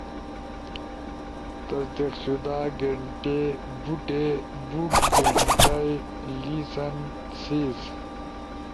تصدیق شدہ گینٹی۔ بوٹے، بُوڑ گھینٹا، لیسن، سیز